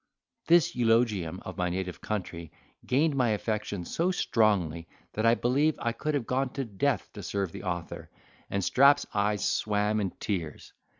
This eulogium of my native country gained my affections so strongly, that I believe I could have gone to death to serve the author; and Strap's eyes swam in tears.